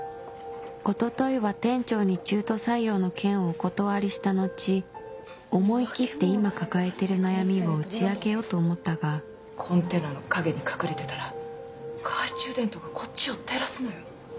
一昨日は店長に中途採用の件をお断りした後思い切って今抱えてる悩みを打ち明けようと思ったがコンテナの陰に隠れてたら懐中電灯がこっちを照らすのよ